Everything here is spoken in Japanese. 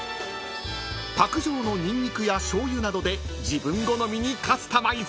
［卓上のニンニクやしょうゆなどで自分好みにカスタマイズ］